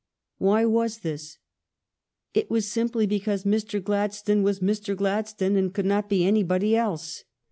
Why was this ? It was simply because Mr. Gladstone was Mr. Gladstone and could not be anybody else.